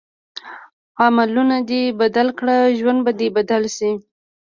عملونه دې بدل کړه ژوند به دې بدل شي.